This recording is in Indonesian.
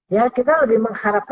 ya kita lebih mengharuskan